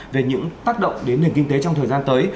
về những tác động đến nền kinh tế trong thời gian tới